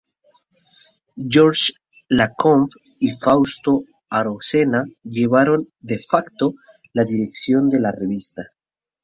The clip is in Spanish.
Georges Lacombe y Fausto Arocena llevaron "de facto" la dirección de la Revista.